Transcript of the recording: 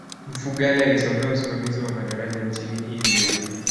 mfugale alisomea usimamizi wa madaraja nchini india